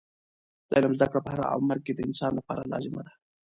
د علم زده کړه په هر عمر کې د انسان لپاره لازمه ده.